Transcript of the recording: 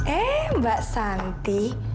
eh mbak santi